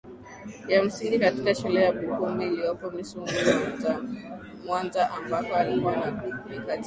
ya msingi katika shule ya Bukumbi iliyopo misungwi Mwanzaambako alikuwa ni kati ya